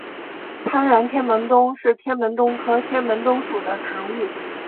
攀援天门冬是天门冬科天门冬属的植物。